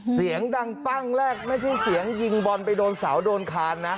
เสียงดังปั้งแรกไม่ใช่เสียงยิงบอลไปโดนเสาโดนคานนะ